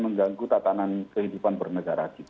mengganggu tatanan kehidupan kita